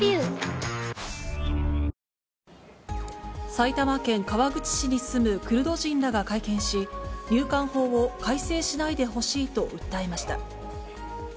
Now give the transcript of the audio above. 埼玉県川口市に住むクルド人らが会見し、入管法を改正しないでほしいと訴えました。